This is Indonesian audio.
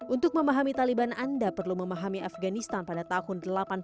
untuk memahami taliban anda perlu memahami afganistan pada tahun seribu delapan ratus